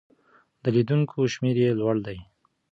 د لیدونکو شمېر یې لوړ دی.